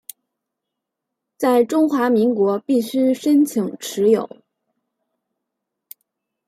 在中华民国必须申请持有。